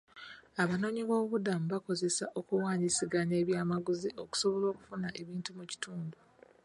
Abanoonyiboobubudamu bakozesa okuwaanyisiganya ebyamaguzi okusobola okufuna ebintu mu kitundu.